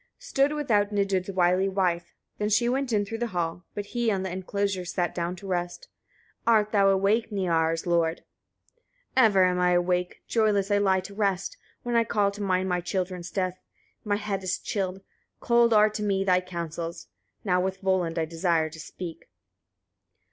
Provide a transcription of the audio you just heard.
28. Stood without Nidud's wily wife; then she went in through the hall; but he on the enclosure sat down to rest. "Art thou awake Niarars' lord!" 29. "Ever am I awake, joyless I lie to rest, when I call to mind my children's death: my head is chilled, cold are to me thy counsels. Now with Volund I desire to speak."